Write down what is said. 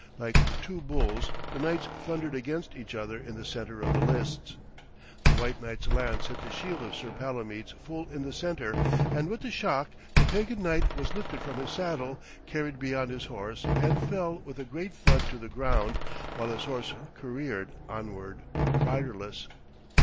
Like two bulls the knights thundered against each other in the centre of the lists. The white knight's lance hit the shield of Sir Palomides full in the centre, and with the shock the pagan knight was lifted from his saddle, carried beyond his horse, and fell with a great thud to the ground, while his horse careered onward riderless.